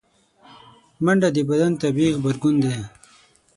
منډه د بدن طبیعي غبرګون دی